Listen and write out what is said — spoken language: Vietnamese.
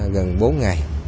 gần bốn ngày